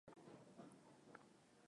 Habari za Athari za Hali ya Hewa